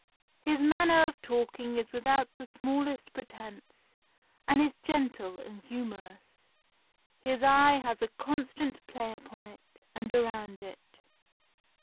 His manner of talking is without the smallest pretence, and is gentle and humorous. His eye has a constant play upon it, and around it.